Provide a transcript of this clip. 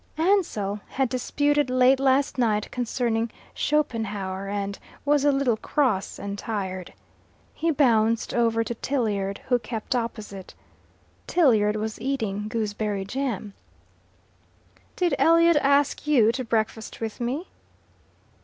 Ansell had disputed late last night concerning Schopenhauer, and was a little cross and tired. He bounced over to Tilliard, who kept opposite. Tilliard was eating gooseberry jam. "Did Elliot ask you to breakfast with me?"